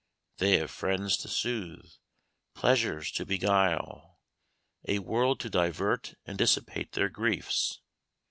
They have friends to soothe pleasures to beguile a world to divert and dissipate their griefs.